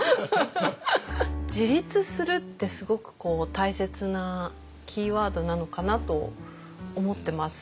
自立するってすごく大切なキーワードなのかなと思ってます。